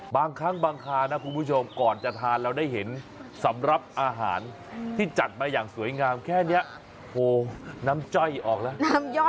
บางครั้งบางครานะคุณผู้ชมก่อนจะทานเราได้เห็นสำหรับอาหารที่จัดมาอย่างสวยงามแค่นี้โหน้ำจ้อยออกแล้ว